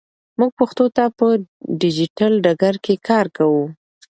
موږ پښتو ته په ډیجیټل ډګر کې کار کوو.